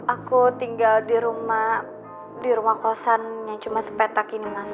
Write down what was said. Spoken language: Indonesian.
aku tinggal di rumah kosan yang cuma sepetak ini mas